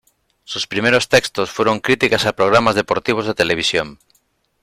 Sus primeros textos fueron críticas a programas deportivos de televisión.